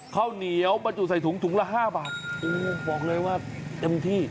ข้าวเหนียวบรรจุใส่ถุงถุงละ๕บาทโอ้บอกเลยว่าเต็มที่